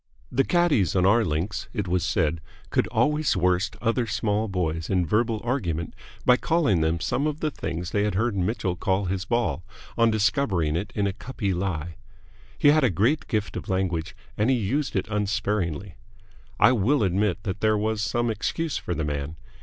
The caddies on our links, it was said, could always worst other small boys in verbal argument by calling them some of the things they had heard Mitchell call his ball on discovering it in a cuppy lie. He had a great gift of language, and he used it unsparingly. I will admit that there was some excuse for the man.